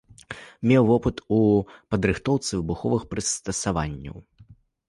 Меў вопыт у падрыхтоўцы выбуховых прыстасаванняў.